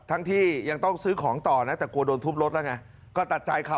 ตั้งที่ยังต้องซื้อของต่อ